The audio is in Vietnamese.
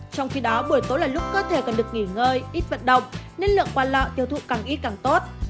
trong khi đó buổi tối là lúc cơ thể cần được nghỉ ngơi ít vận động nên lượng quà lọ tiêu thụ càng ít càng tốt